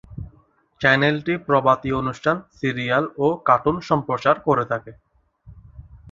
চ্যানেলটি প্রভাতী অনুষ্ঠান, সিরিয়াল ও কার্টুন সম্প্রচার করে থাকে।